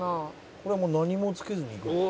「これはもう何もつけずにいくのかな」